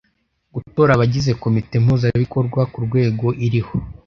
Gutora abagize Komite Mpuzabikorwa ku rwego iriho;